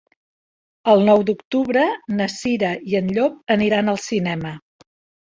El nou d'octubre na Cira i en Llop aniran al cinema.